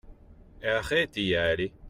Arrête d’y aller.